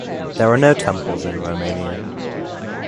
There are no temples in Romania.